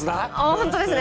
本当ですね。